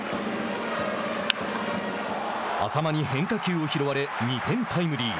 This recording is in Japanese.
淺間に変化球を拾われ２点タイムリー。